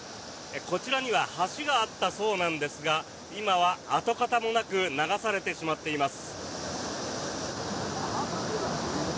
こちらには橋があったそうなんですが今は跡形もなく流されてしまっています。